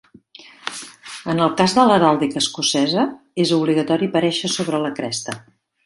En el cas de l'heràldica escocesa és obligatori aparèixer sobre la cresta.